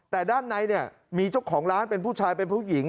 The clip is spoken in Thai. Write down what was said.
แต่ด้านในเนี่ยมีเจ้าของร้านเป็นผู้ชายเป็นผู้หญิง